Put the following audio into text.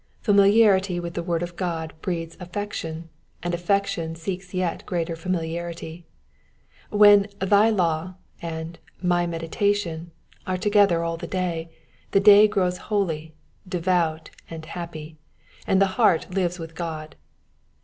Familiarity with the word of God breeds affection, and affection seeks yet greater familiarity. When thy law,*' and my meditation" are together all the day, the day grows holy, devout, and happy, and the heart lives with God.